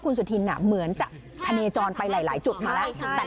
คุณสุธินเหมือนจะพะเนจรไปหลายจุดมาแล้ว